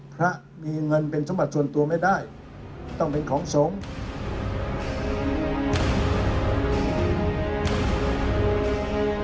พระมีเงินเป็นสมบัติส่วนตัวไม่ได้ต้องเป็นของสงฆ์